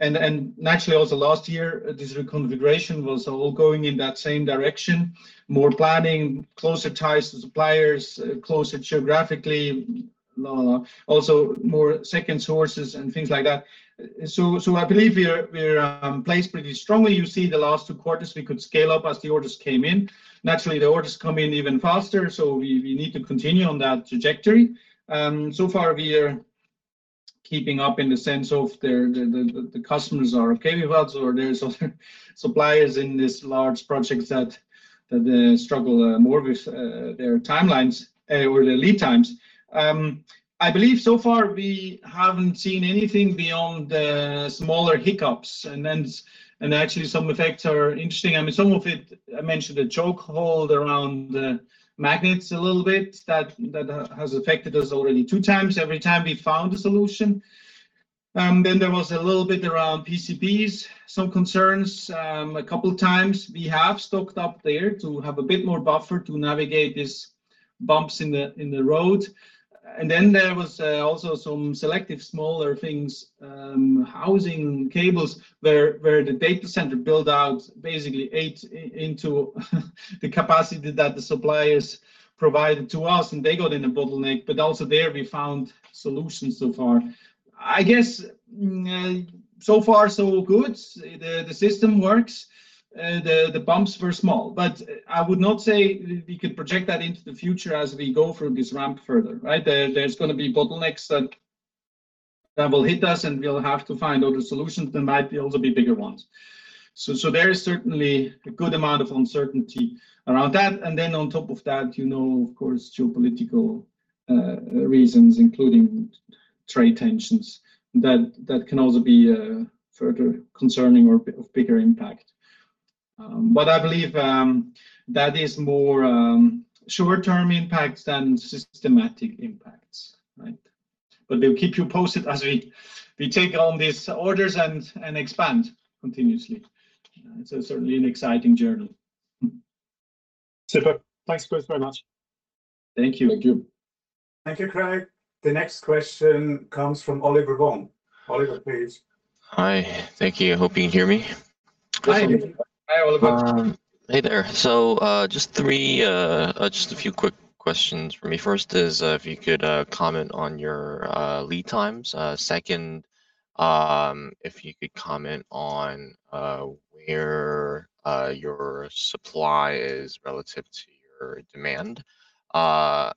B: Naturally also last year, this reconfiguration was all going in that same direction, more planning, closer ties to suppliers, closer geographically. Also more second sources and things like that. I believe we are placed pretty strongly. You see the last two quarters, we could scale up as the orders came in. Naturally, the orders come in even faster, so we need to continue on that trajectory. So far, we are keeping up in the sense of the customers are okay with us, or there's also suppliers in this large project that struggle more with their timelines or their lead times. I believe so far we haven't seen anything beyond smaller hiccups. Actually some effects are interesting. Some of it, I mentioned a choke hold around the magnets a little bit. That has affected us already two times. Every time, we found a solution. Then there was a little bit around PCBs, some concerns, a couple of times. We have stocked up there to have a bit more buffer to navigate these bumps in the road. Then there was also some selective smaller things, housing cables, where the data center build-outs basically ate into the capacity that the suppliers provided to us, and they got in a bottleneck. Also there we found solutions so far. I guess so far so good. The system works. The bumps were small. I would not say we could project that into the future as we go through this ramp further, right? There's going to be bottlenecks that will hit us, and we'll have to find other solutions. There might also be bigger ones. There is certainly a good amount of uncertainty around that. Then on top of that, of course, geopolitical reasons, including trade tensions, that can also be further concerning or of bigger impact. I believe that is more short-term impacts than systematic impacts. Right? We'll keep you posted as we take on these orders and expand continuously. It's certainly an exciting journey.
H: Super. Thanks, both, very much.
B: Thank you.
C: Thank you.
A: Thank you, Craig. The next question comes from Oliver Wong. Oliver, please.
I: Hi. Thank you. I hope you can hear me.
B: Hi.
C: Hi, Oliver.
I: Hey there. Just a few quick questions from me. First is if you could comment on your lead times. Second, if you could comment on where your supply is relative to your demand. I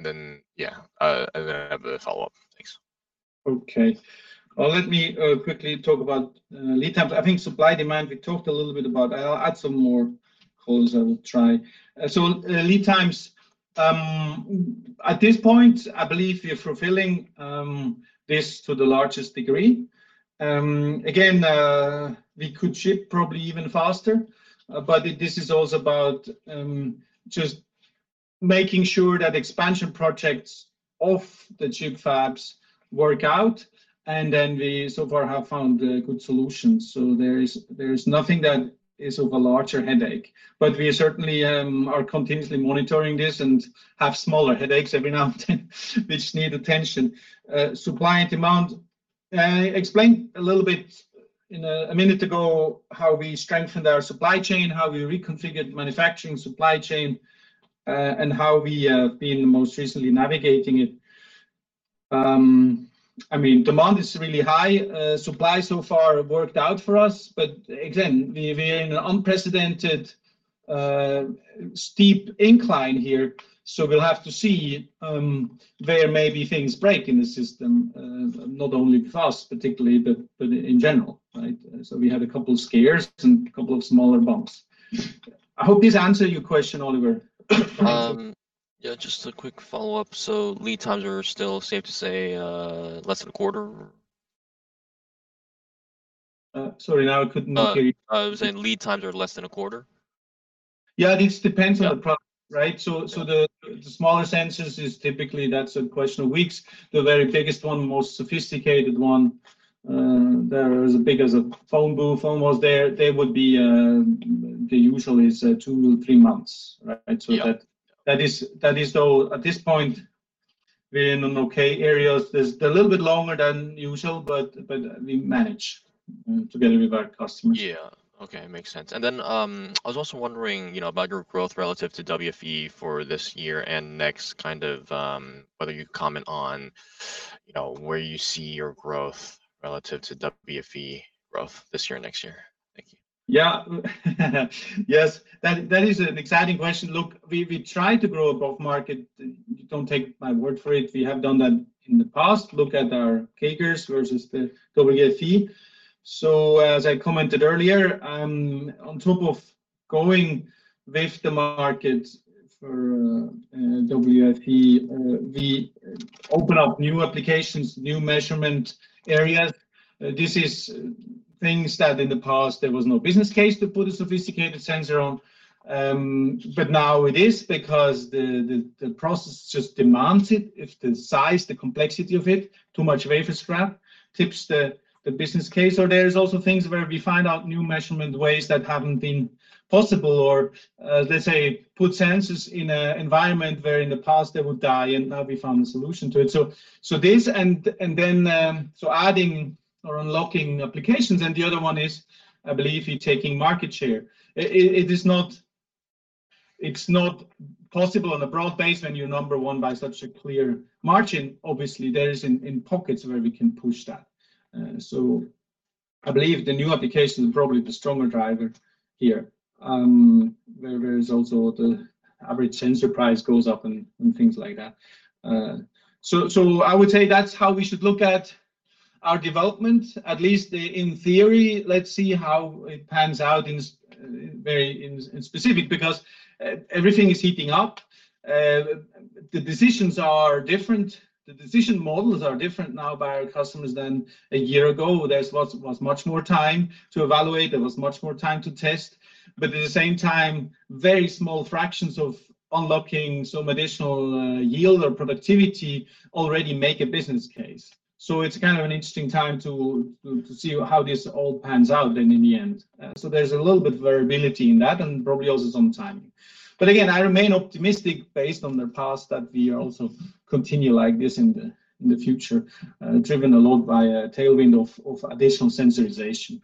I: have a follow-up. Thanks.
B: Okay. Let me quickly talk about lead times. I think supply, demand, we talked a little bit about. I'll add some more calls, I will try. Lead times, at this point, I believe we are fulfilling this to the largest degree. Again, we could ship probably even faster. This is also about just making sure that expansion projects of the chip fabs work out, and then we so far have found good solutions. There is nothing that is of a larger headache. We certainly are continuously monitoring this and have smaller headaches every now and then which need attention. Supply and demand, I explained a little bit in a minute ago how we strengthened our supply chain, how we reconfigured manufacturing supply chain, and how we have been most recently navigating it. Demand is really high. Supply so far worked out for us. Again, we are in an unprecedented steep incline here, so we'll have to see where maybe things break in the system. Not only for us particularly, but in general. Right? We had a couple scares and a couple of smaller bumps. I hope this answer your question, Oliver.
I: Just a quick follow-up. Lead times are still safe to say less than a quarter?
B: Sorry, now I could not hear you.
I: I was saying lead times are less than a quarter?
B: Yeah, this depends on the product, right? The smaller sensors is typically, that's a question of weeks. The very biggest one, most sophisticated one, they're as big as a phone booth almost there. The usual is two to three months, right?
I: Yeah.
B: At this point, we're in an okay area. A little bit longer than usual, but we manage together with our customers.
I: Yeah. Okay, makes sense. Then I was also wondering about your growth relative to WFE for this year and next, whether you comment on where you see your growth relative to WFE growth this year or next year. Thank you.
B: Yeah. Yes, that is an exciting question. Look, we try to grow above market. Don't take my word for it. We have done that in the past. Look at our CAGRs versus the WFE. As I commented earlier, on top of going with the market for WFE, we open up new applications, new measurement areas. These are things that in the past, there was no business case to put a sophisticated sensor on. Now it is because the process just demands it. If the size, the complexity of it, too much wafer scrap tips the business case. There is also things where we find out new measurement ways that haven't been possible, or let's say, put sensors in an environment where in the past they would die, and now we found a solution to it. Adding or unlocking applications. The other one is, I believe you're taking market share. It's not possible on a broad base when you're number one by such a clear margin. Obviously, there is in pockets where we can push that. I believe the new application is probably the stronger driver here. Where there is also the average sensor price goes up and things like that. I would say that's how we should look at our development, at least in theory. Let's see how it pans out in specific, because everything is heating up. The decisions are different. The decision models are different now by our customers than a year ago. There was much more time to evaluate, there was much more time to test, but at the same time, very small fractions of unlocking some additional yield or productivity already make a business case. It's kind of an interesting time to see how this all pans out then in the end. There's a little bit of variability in that and probably also some timing. Again, I remain optimistic based on the past that we also continue like this in the future, driven a lot by a tailwind of additional sensorization.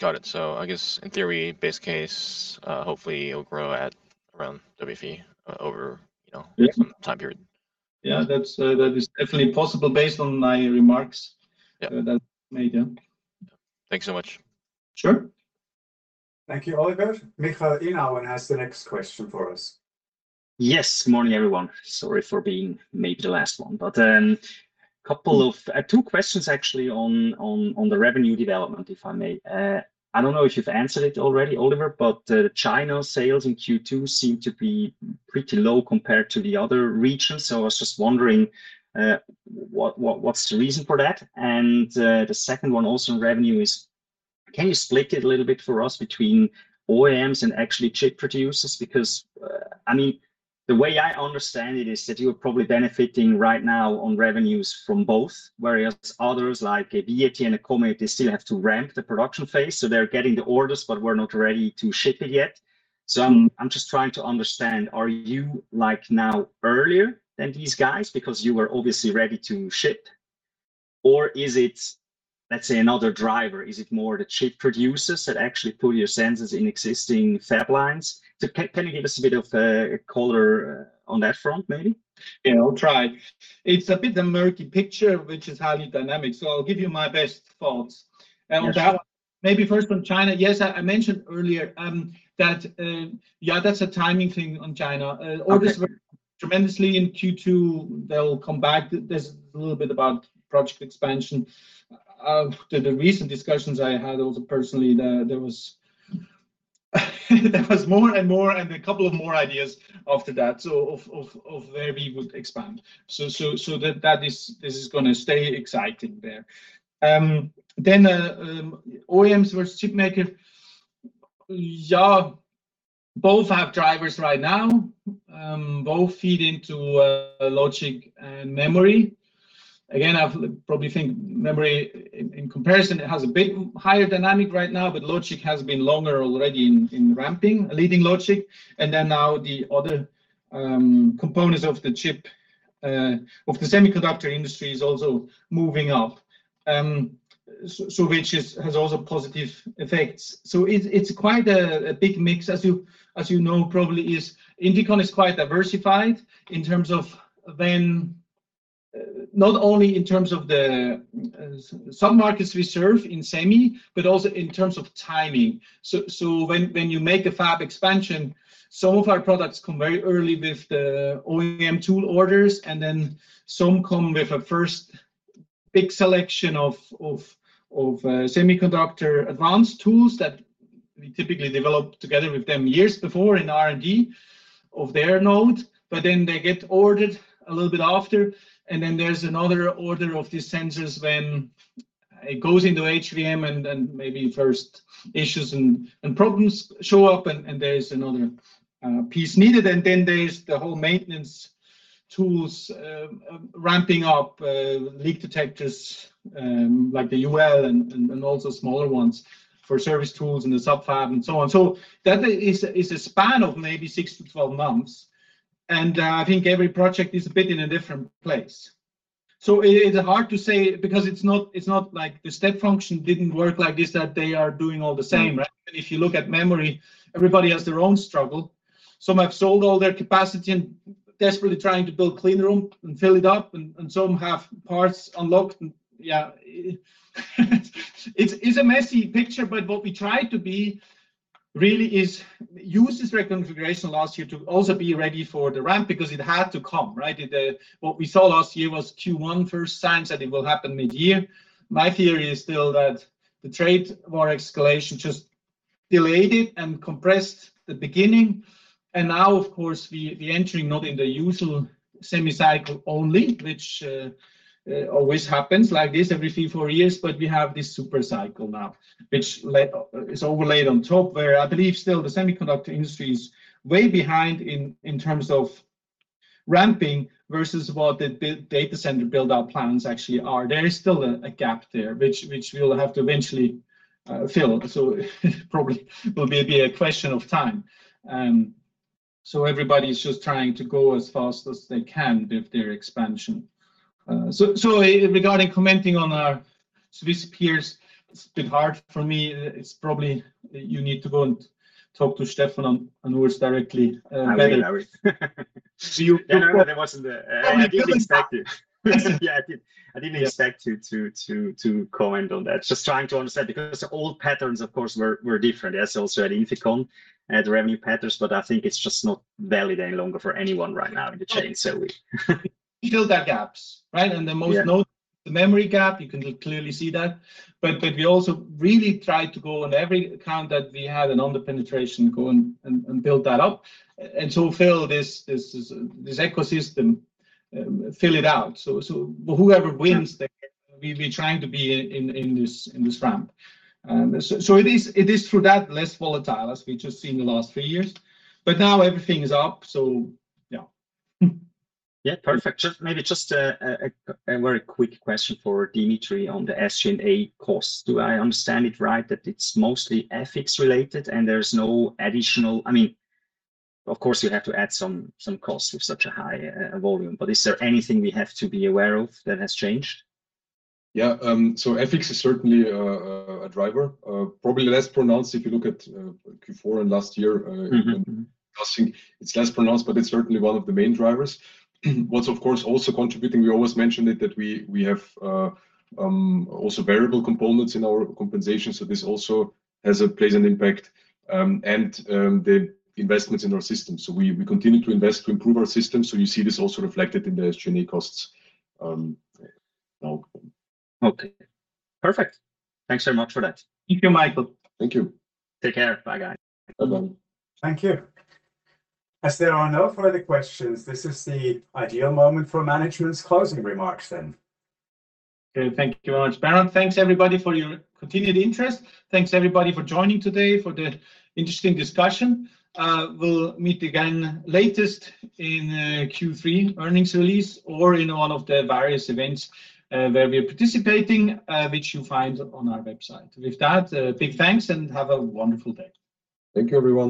I: Got it. I guess in theory, base case, hopefully it'll grow at around WFE over-
B: Yeah
I: a decent time period.
B: Yeah, that is definitely possible based on my remarks-
I: Yeah
B: that I made, yeah.
I: Thanks so much.
B: Sure.
A: Thank you, Oliver. Michael Inauen has the next question for us.
J: Yes, morning everyone. Sorry for being maybe the last one. Two questions actually on the revenue development, if I may. I don't know if you've answered it already, Oliver, China sales in Q2 seem to be pretty low compared to the other regions. I was just wondering what's the reason for that? The second one also on revenue is, can you split it a little bit for us between OEMs and actually chip producers? The way I understand it is that you're probably benefiting right now on revenues from both, whereas others like a VAT and a Comet, they still have to ramp the production phase. They're getting the orders, we're not ready to ship it yet. I'm just trying to understand, are you now earlier than these guys because you were obviously ready to ship? Is it, let's say another driver? Is it more the chip producers that actually put your sensors in existing fab lines? Can you give us a bit of color on that front, maybe?
B: Yeah, I'll try. It's a bit of a murky picture, which is highly dynamic, so I'll give you my best thoughts.
J: Yes.
B: On that one, maybe first on China. Yes, I mentioned earlier that, yeah, that's a timing thing on China.
J: Okay.
B: Orders were tremendously in Q2. They'll come back. There's a little bit about project expansion. After the recent discussions I had also personally, there was more and more and a couple of more ideas after that, so of where we would expand. This is going to stay exciting there. OEMs versus chipmaker. Yeah, both have drivers right now. Both feed into logic and memory. Again, I probably think memory, in comparison, it has a bit higher dynamic right now, but logic has been longer already in ramping, leading logic, and then now the other components of the chip, of the semiconductor industry is also moving up, which has also positive effects. It's quite a big mix as you know, probably is. INFICON is quite diversified, not only in terms of the sub-markets we serve in semi, but also in terms of timing. When you make a fab expansion, some of our products come very early with the OEM tool orders, and some come with a first big selection of semiconductor advanced tools that we typically develop together with them years before in R&D of their node. They get ordered a little bit after, and there is another order of these sensors when it goes into HVM and maybe first issues and problems show up, and there is another piece needed, and then there is the whole maintenance tools Ramping up leak detectors like the UL and also smaller ones for service tools in the sub-fab and so on. That is a span of maybe 6-12 months, and I think every project is a bit in a different place. It is hard to say because it is not like the step function did not work like this, that they are doing all the same, right? Even if you look at memory, everybody has their own struggle. Some have sold all their capacity and are desperately trying to build clean room and fill it up, and some have parts unlocked, and yeah, it is a messy picture. What we try to be really is use this reconfiguration last year to also be ready for the ramp because it had to come, right? What we saw last year was Q1 first signs that it will happen mid-year. My theory is still that the trade war escalation just delayed it and compressed the beginning. Now, of course, we are entering not in the usual semi cycle only, which always happens like this every three, four years, but we have this super cycle now, which is overlaid on top, where I believe still the semiconductor industry is way behind in terms of ramping versus what the data center build-out plans actually are. There is still a gap there which we will have to eventually fill. Probably will be a question of time. Everybody is just trying to go as fast as they can with their expansion. Regarding commenting on our Swiss peers, it is a bit hard for me. It is probably you need to go and talk to Stefan on ours directly better.
J: I will.
B: you-
J: No, that wasn't the-
B: We couldn't talk.
J: I didn't expect you yeah, I didn't expect you to comment on that. Just trying to understand because old patterns, of course, were different. Yes, also at INFICON, at the revenue patterns. I think it's just not valid any longer for anyone right now in the chain, we
B: We build our gaps, right?
J: Yeah.
B: The most notable, the memory gap, you can clearly see that. We also really try to go on every account that we had an under-penetration go and build that up. Fill this ecosystem, fill it out. Whoever wins there.
J: Sure
B: We are trying to be in this ramp. It is through that less volatile as we just seen the last few years. Now everything's up, yeah.
J: Yeah. Perfect. Maybe just a very quick question for Dimitrij on the SG&A cost. Do I understand it right that it's mostly FX related and, of course, you have to add some cost with such a high volume, but is there anything we have to be aware of that has changed?
C: Yeah. FX is certainly a driver. Probably less pronounced if you look at Q4 and last year. costing, it's less pronounced, but it's certainly one of the main drivers. What's of course also contributing, we always mentioned it, that we have also variable components in our compensation, so this also plays an impact, and the investments in our system. We continue to invest to improve our system, so you see this also reflected in the SG&A costs now.
J: Okay. Perfect. Thanks very much for that.
B: Thank you, Michael.
C: Thank you.
J: Take care. Bye, guys.
C: Bye-bye.
A: Thank you. As there are no further questions, this is the ideal moment for management's closing remarks then.
B: Okay. Thank you very much, Bernhard. Thanks everybody for your continued interest. Thanks everybody for joining today for the interesting discussion. We'll meet again latest in Q3 earnings release or in one of the various events where we are participating, which you'll find on our website. With that, big thanks and have a wonderful day.
C: Thank you, everyone.